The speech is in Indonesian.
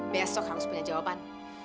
besok harus punya jawaban